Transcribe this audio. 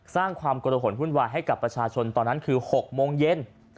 สร้างความกระหนวุ่นวายให้กับประชาชนตอนนั้นคือ๖โมงเย็น